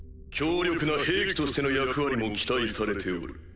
強力な兵器としての役割も期待されておる。